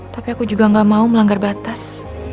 tapi aku juga gak mau melanggar batas